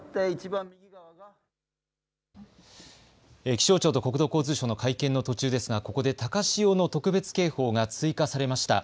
気象庁と国土交通省の会見の途中ですがここで高潮の特別警報が追加されました。